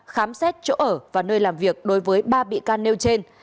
khám xét chỗ ở và nơi làm việc đối với ba bị can nêu trên